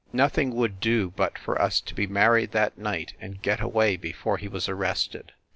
Nothing would do but for us to be married that night and get away before he was arrested.